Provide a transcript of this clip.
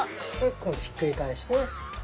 今度ひっくり返して。